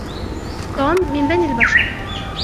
توم من بني البشر.